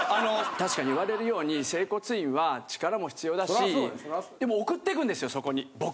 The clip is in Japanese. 確かに言われるように整骨院は力も必要だしでも送ってくんですよ